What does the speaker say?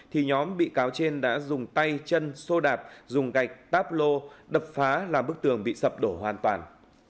thì nhóm bị cáo trên đã dùng tay chân xô đạp dùng gạch táp lô đập phá làm bức tường bị sập đổ hoàn toàn